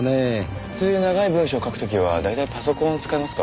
普通長い文章を書く時は大体パソコンを使いますからね。